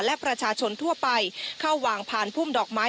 และประชาชนทั่วไปเข้าวางผ่านพุ่มดอกไม้